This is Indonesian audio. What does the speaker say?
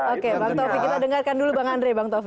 oke bang taufik kita dengarkan dulu bang andri